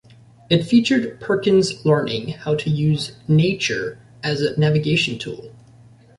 It featured Perkins learning how to use nature as a navigation tool.